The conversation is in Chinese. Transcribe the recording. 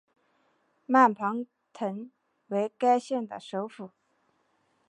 曼庞滕为该县的首府。